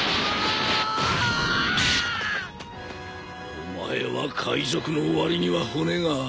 お前は海賊の割には骨がある。